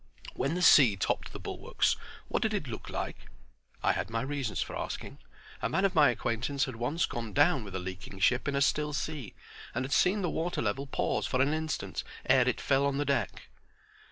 When the sea topped the bulwarks, what did it look like?" I had my reasons for asking. A man of my acquaintance had once gone down with a leaking ship in a still sea, and had seen the water level pause for an instant ere it fell on the deck.